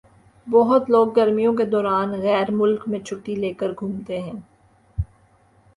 بہت لوگ گرمیوں کے دوران غیر ملک میں چھٹّی لے کر گھومتے ہیں۔